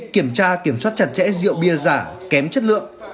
kiểm tra kiểm soát chặt chẽ rượu bia giả kém chất lượng